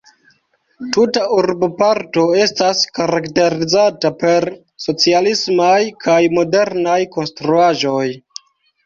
Tuta urboparto estas karakterizata per socialismaj kaj modernaj konstruaĵoj.